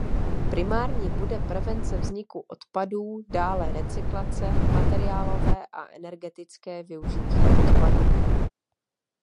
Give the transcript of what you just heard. Primární bude prevence vzniku odpadů, dále recyklace, materiálové a energetické využití odpadů.